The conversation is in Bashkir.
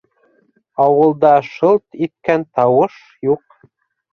Ауылда шылт иткән тауыш юҡ.